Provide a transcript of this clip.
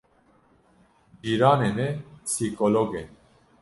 Cîranê me psîkolog e.